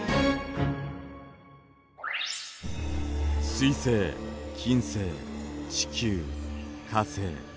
水星金星地球火星。